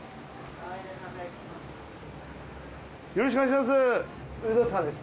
よろしくお願いします。